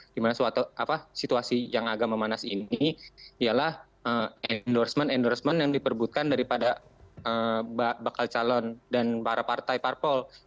dimana suatu situasi yang agak memanas ini ialah endorsement endorsement yang diperbutkan daripada bakal calon dan para partai parpol